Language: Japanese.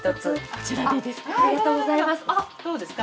こちらでいいですか？